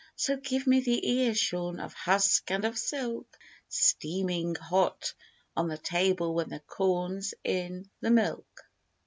So give me the ear shorn of husk and of silk Steaming hot on the table when the corn's in the milk.